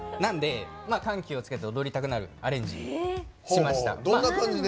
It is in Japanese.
緩急をつけて踊りたくなるアレンジしました。